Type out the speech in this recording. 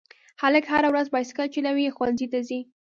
هلک هره ورځ بایسکل چلوي او ښوونځي ته ځي